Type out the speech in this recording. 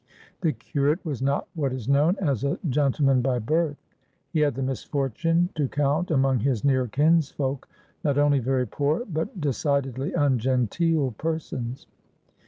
The curate was not what is known as a gentleman by birth; he had the misfortune to count among his near kinsfolk not only very poor, but decidedly ungenteel, persons.